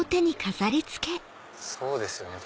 そうですよね